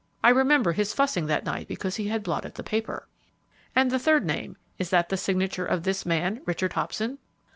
I remember his fussing that night because he had blotted the paper." "And the third name, is that the signature of this man, Richard Hobson?"